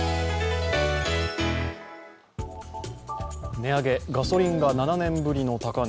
値上げ、ガソリンが７年ぶりの高値